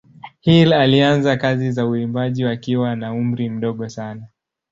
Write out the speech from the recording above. Hill alianza kazi za uimbaji wakiwa na umri mdogo sana.